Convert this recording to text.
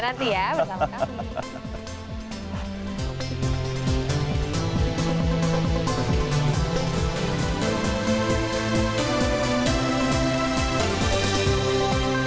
nanti ya bersama kami